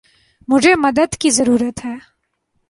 مجھے مدد کی ضرورت ہے۔